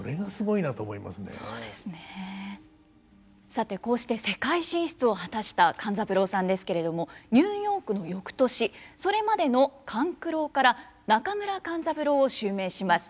さてこうして世界進出を果たした勘三郎さんですけれどもニューヨークの翌年それまでの勘九郎から中村勘三郎を襲名します。